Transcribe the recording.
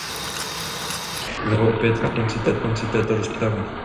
Vezmu si slovo opět na konci této rozpravy.